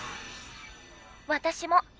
私も。